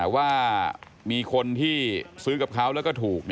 ว่ามีคนที่ซื้อกับเขาแล้วก็ถูก